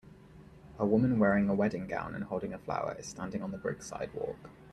A woman wearing a wedding gown and holding a flower is standing on the brick sidewalk.